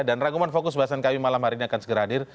dan rangkuman fokus bahasan kw malam hari ini akan segera hadir